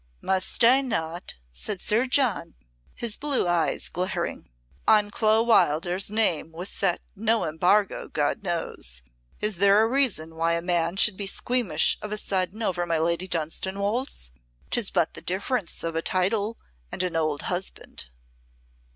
"Must I not!" said Sir John, his blue eyes glaring. "On Clo Wildairs's name was set no embargo, God knows. Is there a reason why a man should be squeamish of a sudden over my Lady Dunstanwolde's? 'Tis but the difference of a title and an old husband."